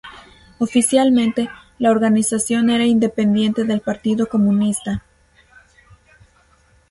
Oficialmente, la organización era independiente del partido comunista.